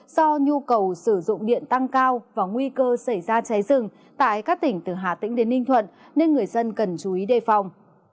do nhu cầu sử dụng điện tăng cao và nguy cơ xảy ra cháy rừng tại các tỉnh từ hà tĩnh đến ninh thuận nên người dân cần chú ý đề phòng